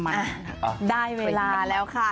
มาได้เวลาแล้วค่ะ